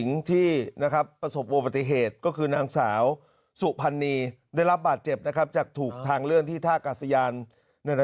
นี่คือภาพล่างสุดครับ